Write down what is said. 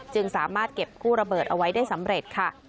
จึงสามารถเก็บกู้ระเบิดเอาไว้ได้สำเร็จค่ะ